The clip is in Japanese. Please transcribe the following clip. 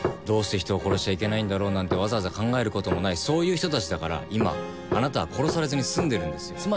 「どうして人を殺しちゃいけないんだろう」なんてわざわざ考えることもないそういう人たちだから今あなたは殺されずに済んでるんですよ。